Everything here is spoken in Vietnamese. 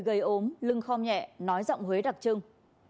đừng khom nhẹ nói giọng huế đặc trưng